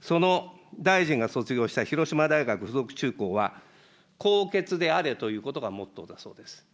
その大臣が卒業した広島大学付属中高は、高潔であれということがモットーだそうです。